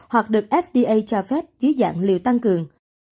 hoặc được fda cho phép dưới dạng liều tăng cường